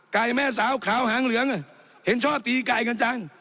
แม่สาวขาวหางเหลืองเห็นชอบตีไก่กันจัง